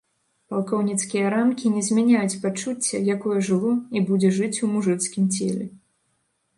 Палкоўніцкія рамкі не змяняюць пачуцця, якое жыло і жыць будзе ў мужыцкім целе.